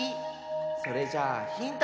それじゃあヒント！